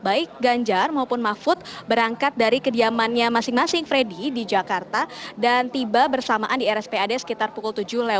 baik ganjar maupun mahfud berangkat dari kediamannya masing masing freddy di jakarta dan tiba bersamaan di rspad sekitar pukul tujuh